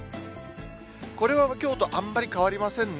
これはきょうとあんまり変わりませんね。